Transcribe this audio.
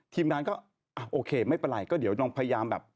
ทีมงานก็อ่ะโอเคไม่เป็นไรก็เดี๋ยวลองพยายามแบบ